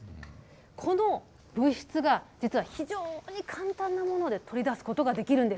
この物質が実は非常に簡単なもので取り出すことができるんです。